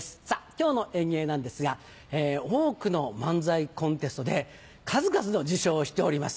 今日の演芸なんですが多くの漫才コンテストで数々の受賞をしております。